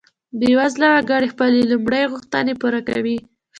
بیوزله وګړي خپلې لومړۍ غوښتنې پوره کوي.